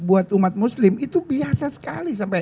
umat muslim itu biasa sekali